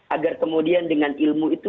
agar kemudian dengan ilmu itu